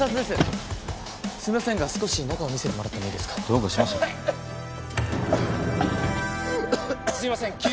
すいません。